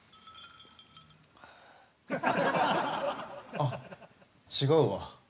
あっ違うわ。